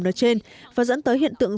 nói trên và dẫn tới hiện tượng